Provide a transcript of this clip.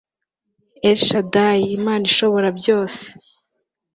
ELSHADAYIIMANA ISHOBORA BYOSE